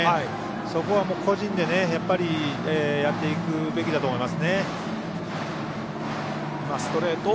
そこは個人でやっていくべきだと思います。